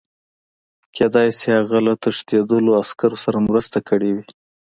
کېدای شي هغه له تښتېدلو عسکرو سره مرسته کړې وي